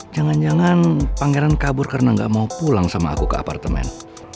jangan jangan pangeran kabur karena nggak mau pulang sama aku ke apartemen